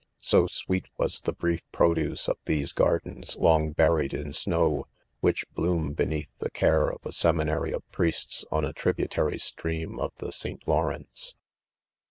■..'' So sweet was the brief produce of these, gardens, long buried in snow, which bloom beneath the care of a seminary of priests on a tributary stream of the St. Lawrence.